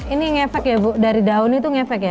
ini ngefek ya bu dari daun itu ngefek ya